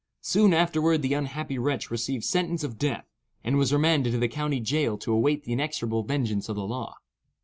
Soon afterward the unhappy wretch received sentence of death, and was remanded to the county jail to await the inexorable vengeance of the law.